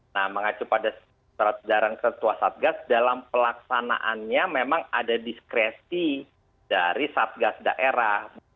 nah mengacu pada surat daran ketua satgas dalam pelaksanaannya memang ada diskresi dari satgas daerah